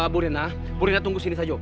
bu rena bu rena tunggu sini saja